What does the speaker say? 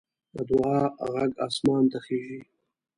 د دعا غږ اسمان ته خېژي